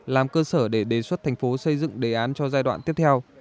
làm cơ sở để đề xuất thành phố xây dựng đề án cho giai đoạn tiếp theo